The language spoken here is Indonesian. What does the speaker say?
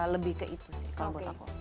lebih ke itu sih kalau buat aku